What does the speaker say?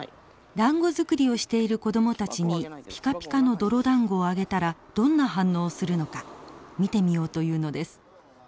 だんご作りをしている子供たちにぴかぴかの泥だんごをあげたらどんな反応をするのか見てみようというのです。